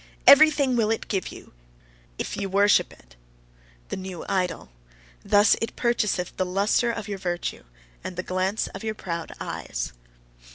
Everything will it give YOU, if YE worship it, the new idol: thus it purchaseth the lustre of your virtue, and the glance of your proud eyes.